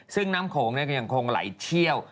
ซึ่งน้ำโขงก็ยังคงไหลเชี่ยว